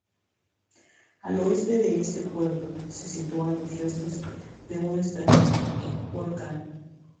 Al oeste de este puerto, se sitúan los restos de un estratovolcán.